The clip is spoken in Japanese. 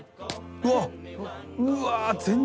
うわっ！